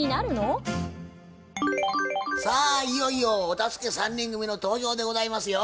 いよいよお助け３人組の登場でございますよ。